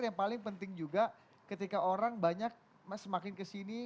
yang paling penting juga ketika orang banyak semakin kesini